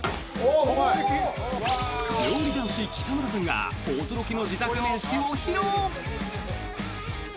料理男子・北村さんが驚きの自宅飯を披露！